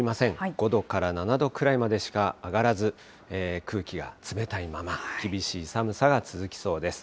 ５度から７度くらいまでしか上がらず、空気は冷たいまま、厳しい寒さが続きそうです。